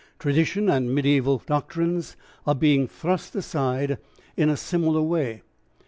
Tradition and mediaeval doctrines are being thrust aside in a similar way.